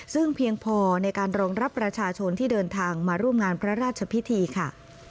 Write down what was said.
ซึ่งเพียงพอในการรองรับประชาชนที่เดินทางมาร่วมงานพระราชพิธีค่ะ